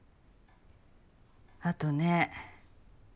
あとね